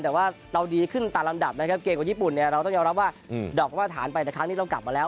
แต่ว่าเราดีขึ้นตามลำดับนะครับเกมกับญี่ปุ่นเนี่ยเราต้องยอมรับว่าดอกมาตรฐานไปแต่ครั้งนี้เรากลับมาแล้ว